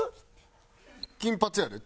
金髪やで。